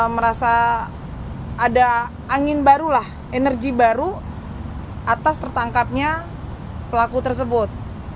merasa ada angin baru lah energi baru atas tertangkapnya pelaku tersebut